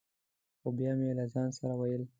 خو بیا مې له ځان سره ویل: